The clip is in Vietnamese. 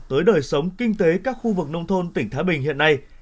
tới đời sống kinh tế các khu vực nông thôn tỉnh thái bình hiện nay